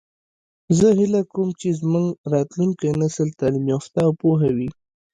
زه هیله کوم چې زموږ راتلونکی نسل تعلیم یافته او پوه وي